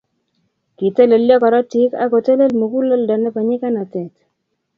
kitelelyo korotik ak kotelel muguleldo nebo nyikanatet